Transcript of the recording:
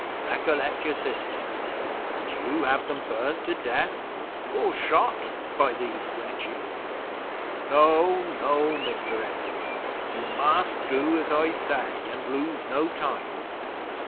Recollect your sisters. Would you have them burned to death, or shot by these wretches? No, no, Mr. Edward; you must do as I say, and lose no time.